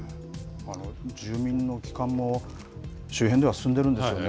住民の帰還も周辺では進んでいるんですよね。